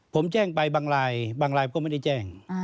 ผมแจ้งไปบางรายบางรายก็ไม่ได้แจ้ง